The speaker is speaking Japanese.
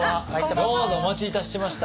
どうぞお待ちいたしてました。